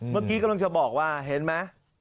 เมื่อกี้กำลังจะบอกว่าเห็นไหม